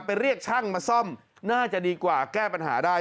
เรียกช่างมาซ่อมน่าจะดีกว่าแก้ปัญหาได้